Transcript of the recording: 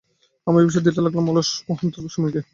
আমি অভিশাপ দিতে লাগলাম অলস মন্থর সময়কে।